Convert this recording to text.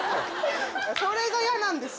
それが嫌なんですよ。